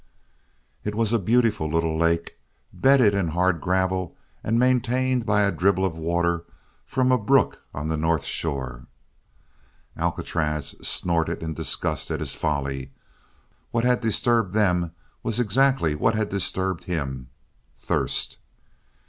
It was a beautiful little lake, bedded in hard gravel and maintained by a dribble of water from a brook on the north shore. Alcatraz snorted in disgust at his folly. What had disturbed them was exactly what had disturbed him thirst.